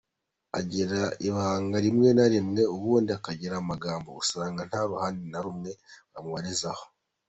Agira ibanga rimwe na rimwe ubundi akagira amagambo, usanga nta ruhande na rumwe wamubarizaho.